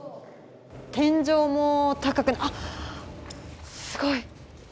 天井も高く、あっ、すごい。